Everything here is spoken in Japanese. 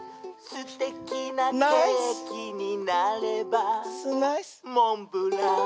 「すてきなケーキになればモンブラン！」